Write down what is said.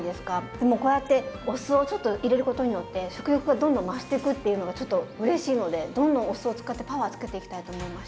でもこうやってお酢をちょっと入れることによって食欲がどんどん増してくっていうのがちょっとうれしいのでどんどんお酢を使ってパワーつけていきたいと思いました。